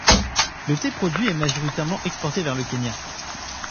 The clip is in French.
Le thé produit est majoritairement exporté vers le Kenya.